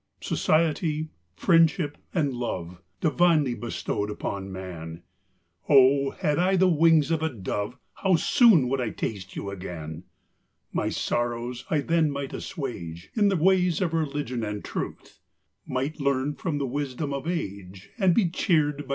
Society, friendship, and love, Divinely bestowed upon man, 503 THE BOOK OF Oh, had I the wings of a dove, How soon would I taste you again ! My sorrows I then might assuage In the ways of religion and truth, Might learn from the wisdom of age, And be cheered by the sallies of youth.